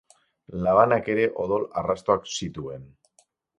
Labanak ere odol arrastoak zituen.